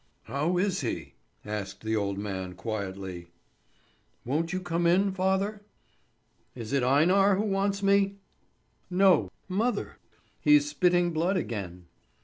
"How is he?" asked the old man, quietly. "Won't you come in, father?" "Is it Einar who wants me?" "No, mother. He's spitting blood again."